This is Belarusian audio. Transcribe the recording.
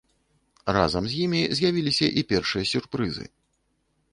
Разам з імі з'явіліся і першыя сюрпрызы.